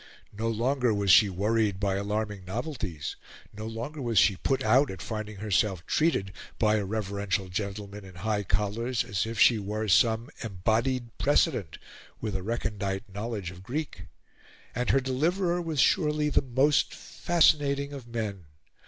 No longer was she worried by alarming novelties; no longer was she put out at finding herself treated, by a reverential gentleman in high collars, as if she were some embodied precedent, with a recondite knowledge of Greek. And her deliverer was surely the most fascinating of men.